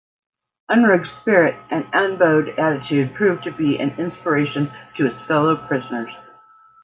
Unrug's spirit and unbowed attitude proved to be an inspiration to his fellow prisoners.